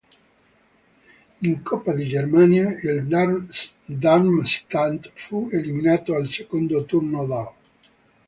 In coppa di Germania il Darmstadt fu eliminato al secondo turno dall'.